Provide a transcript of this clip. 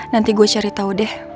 nanti gue cari tahu deh